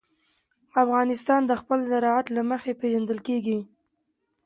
افغانستان د خپل زراعت له مخې پېژندل کېږي.